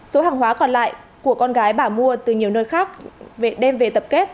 số hàng hóa còn lại của con gái bà mua từ nhiều nơi khác về đem về tập kết